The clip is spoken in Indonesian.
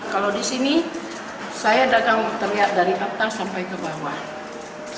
kalau di sini saya dagang terlihat dari atas sampai ke bawah